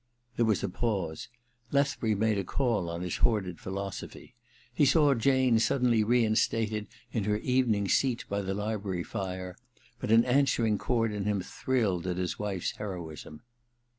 There was a pause. Lethbury made a call on his hoarded philosophy. He saw Jane sud denly reinstated in her evening seat by the library fire ; but an answering chord in him thrilled at his wife's heroism.